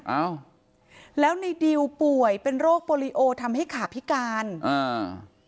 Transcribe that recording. อ้าวแล้วในดิวป่วยเป็นโรคโปรลิโอทำให้ขาพิการอ่า